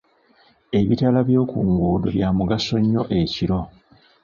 Ebitaala by'oku nguudo byamugaso nnyo ekiro.